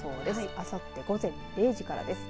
あさって午前０時からです。